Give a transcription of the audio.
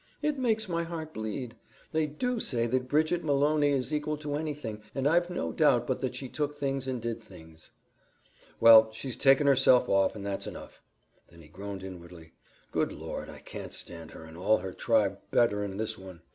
It makes my heart bleed. They DO say that Bridget Malony is equal to anything, and I've no doubt but that she took things and did things." "Well, she's taken herself off, and that's enough." Then he groaned inwardly, "Good Lord! I could stand her and all her tribe bettern'n this one."